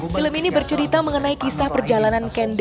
film ini bercerita mengenai kisah perjalanan kende